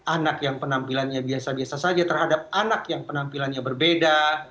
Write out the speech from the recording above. anak yang penampilannya biasa biasa saja terhadap anak yang penampilannya berbeda